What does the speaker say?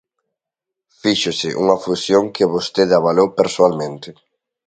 Fíxose unha fusión que vostede avalou persoalmente.